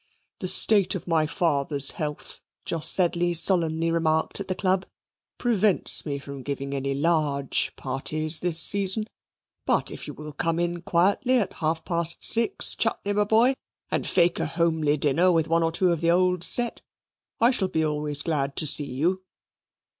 "The state of my father's health," Jos Sedley solemnly remarked at the Club, "prevents me from giving any LARGE parties this season: but if you will come in quietly at half past six, Chutney, my boy, and fake a homely dinner with one or two of the old set I shall be always glad to see you."